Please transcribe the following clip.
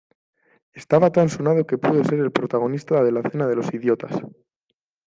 Estaba tan sonado que pudo ser el protagonista de la cena de los idiotas.